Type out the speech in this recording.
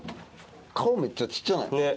顔めっちゃ小っちゃない？